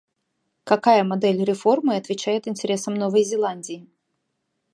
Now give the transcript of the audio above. Какая модель реформы отвечает интересам Новой Зеландии?